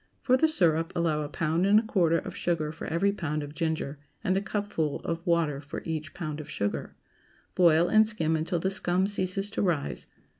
For the syrup, allow a pound and a quarter of sugar for every pound of ginger, and a cupful of water for each pound of sugar. Boil, and skim until the scum ceases to rise.